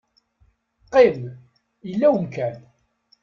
Qqim, yella umkan.